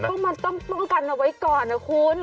เงินเหล้าก็มันต้องกำลังกำลังไว้ก่อนนะคุณ